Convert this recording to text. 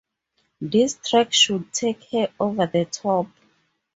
This track should take her over the top.